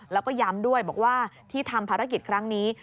แล้วก็ย้ำด้วยบอกว่าที่ทำภารกิจครั้งนี้